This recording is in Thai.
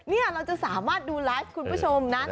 นี่เราจะสามารถดูไลฟ์คุณผู้ชมนะ